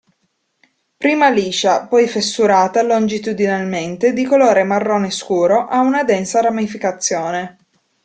Prima liscia, poi fessurata longitudinalmente di colore marrone scuro, ha una densa ramificazione.